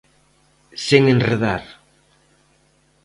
Sen enredar.